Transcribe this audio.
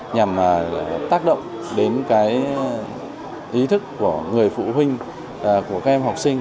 nhằm tác động đến ý thức của người phụ huynh của các em học sinh